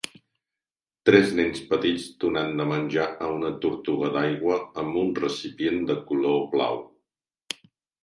Tres nens petits donant de menjar a una tortuga d"aigua amb un recipient de color blau.